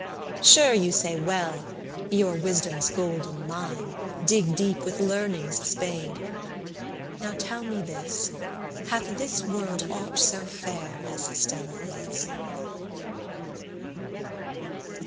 Sure you say well, "Your wisdom's golden mine, Dig deep with learning's spade." Now tell me this, Hath this world aught so fair as Stella is?